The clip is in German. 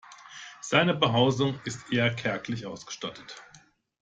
Seine Behausung ist eher kärglich ausgestattet.